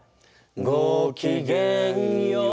「ごきげんよう！」